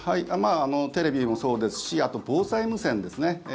テレビもそうですしあと、防災無線ですね。